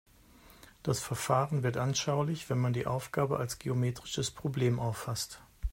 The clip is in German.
Das Verfahren wird anschaulich, wenn man die Aufgabe als geometrisches Problem auffasst.